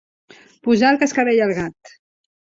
Posar el cascavell al gat.